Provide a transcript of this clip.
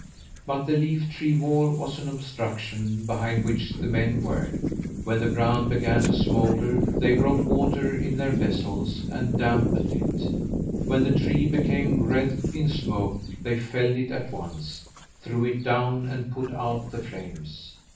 But the leaf tree wall was an obstruction behind which the men worked. When the ground began to smoulder they brought water in their vessels and dampened it. When a tree became wreathed in smoke they felled it at once, threw it down and put out the flames.